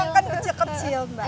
kan kecil kecil mbak